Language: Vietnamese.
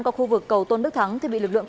qua khu vực cầu tôn đức thắng thì bị lực lượng